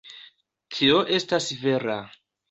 Tio estas vera.